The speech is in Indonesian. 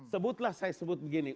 sebutlah saya sebut begini